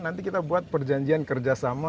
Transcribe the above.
nanti kita buat perjanjian kerjasama